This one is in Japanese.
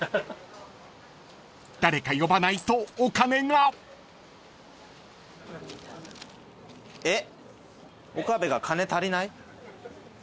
［誰か呼ばないとお金が］えっ？